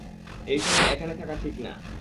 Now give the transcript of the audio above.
এই সময় এখানে থাকা ঠিক না।